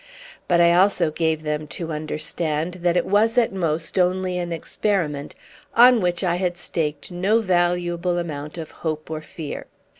But, I also gave them to understand that it was, at most, only an experiment, on which I had staked no valuable amount of hope or fear.